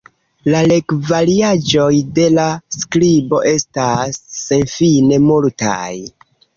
La legvariaĵoj de la skribo estas senfine multaj.